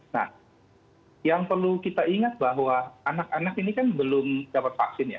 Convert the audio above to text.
nah yang perlu kita ingat bahwa anak anak ini kan belum dapat vaksin ya